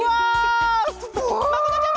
まことちゃま！